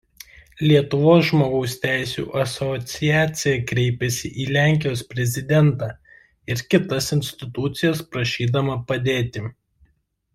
Lietuvos žmogaus teisių asociacija kreipėsi į Lenkijos prezidentą ir kitas institucijas prašydama padėti.